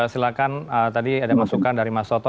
silakan tadi ada masukan dari mas soto